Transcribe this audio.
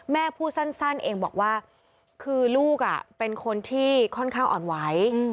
พูดสั้นเองบอกว่าคือลูกเป็นคนที่ค่อนข้างอ่อนไหว